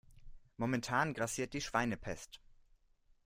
Momentan grassiert die Schweinepest.